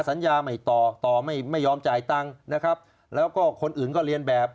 สัญญาไม่ต่อต่อไม่ไม่ยอมจ่ายตังค์นะครับแล้วก็คนอื่นก็เรียนแบบ